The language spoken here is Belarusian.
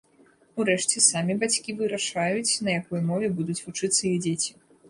Урэшце, самі бацькі вырашаюць, на якой мове будуць вучыцца іх дзеці.